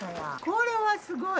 これはすごい！